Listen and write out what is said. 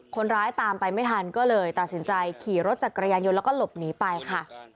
คนร้ายตามไปไม่ทันก็เลยตัดสินใจขี่รถจักรยานยนต์แล้วก็หลบหนีไปค่ะ